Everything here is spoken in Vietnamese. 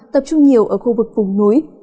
tập trung nhiều ở khu vực phùng núi